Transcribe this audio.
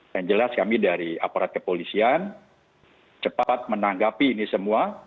yang jelas kami dari aparat kepolisian cepat menanggapi ini semua